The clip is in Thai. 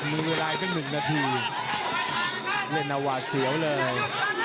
มีมือลายก็๑นาทีเล่นเอาหากเสียวเลย